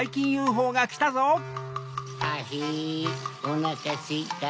ハヒおなかすいた。